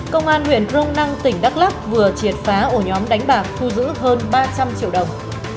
công an huyện grong năng tỉnh đắk lắc vừa triệt phá ổ nhóm đánh bạc thu giữ hơn ba trăm linh triệu đồng